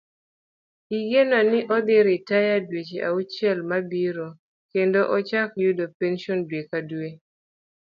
Igeno ni odhi ritaya dweche auchiel mabiro kendo ochak yudo penson dwe ka dwe.